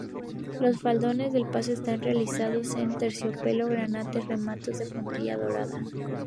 Los faldones del paso están realizados en terciopelo granate rematados en puntilla dorada.